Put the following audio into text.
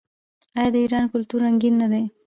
آیا د ایران کلتور رنګین نه دی؟